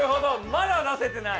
まだ出せてない。